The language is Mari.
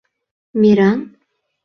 — Мераҥ?